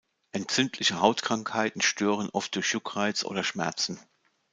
Entzündliche Hautkrankheiten stören oft durch Juckreiz oder Schmerzen.